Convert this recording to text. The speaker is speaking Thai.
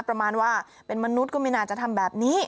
ประมาณว่าเป็นมนุษย์ก็ไม่น่าจะทำแบบนี้